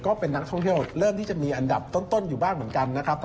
ก็เป็นนักท่องเที่ยวเริ่มที่จะมีอันดับต้นอยู่บ้างเหมือนกันนะครับ